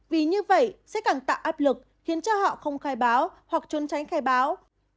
vì như vậy sẽ càng tạo áp lực khiến cho họ không khai báo hoặc trốn tránh khai báo